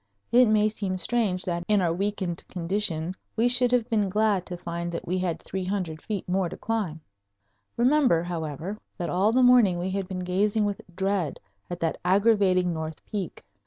It may seem strange that in our weakened condition we should have been glad to find that we had three hundred feet more to climb. Remember, however, that all the morning we had been gazing with dread at that aggravating north peak.